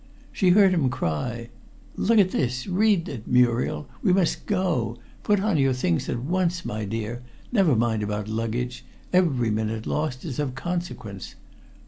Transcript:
She heard him cry: "Look at this! Read it, Muriel. We must go. Put on your things at once, my dear. Never mind about luggage. Every minute lost is of consequence.